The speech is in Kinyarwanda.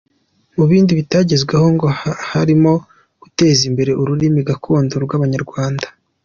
Mu bindi bitagezweho ngo harimo guteza imbere ururimi gakondo rw’Abanyarwanda.